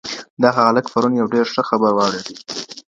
دغه هلک پرون يو ډېر ښه خبر واورېدی.